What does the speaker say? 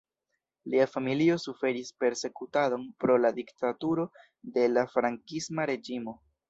Lia familio suferis persekutadon pro la diktaturo de la frankisma reĝimo.